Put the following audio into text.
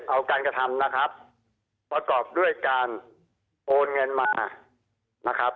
เอาการกระทำนะครับประกอบด้วยการโอนเงินมานะครับ